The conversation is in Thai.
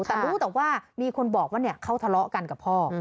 แต่รู้แต่ว่ามีคนบอกว่าเขาทะเลาะกันกับพ่อ